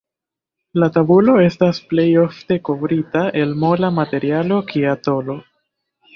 La tabulo estas plej ofte kovrita el mola materialo kia tolo.